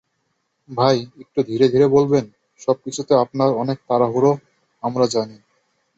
ভাই, একটু ধীরে ধীরে বলবেন, সবকিছুতে আপনার অনেক তাড়াহুড়ো আমরা জানি।